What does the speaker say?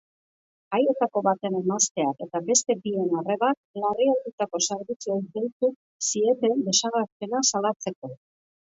Haietako baten emazteak eta beste bien arrebak larrialdietako zerbitzuei deiut zieten desagerpena salatzeko.